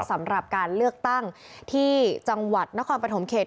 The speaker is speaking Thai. สำหรับการเลือกตั้งที่จังหวัดนครปฐมเขต